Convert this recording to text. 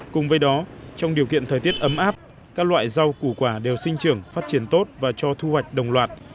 cùng với đó trong điều kiện thời tiết ấm áp các loại rau củ quả đều sinh trưởng phát triển tốt và cho thu hoạch đồng loạt